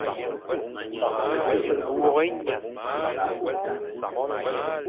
Wôkh ényan.